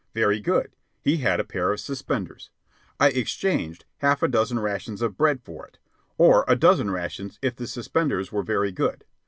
Very good; he had a pair of suspenders. I exchanged half a dozen rations of bread for it or a dozen rations if the suspenders were very good.